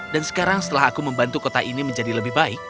dan sekarang setelah aku membantu kota ini menjadi lebih baik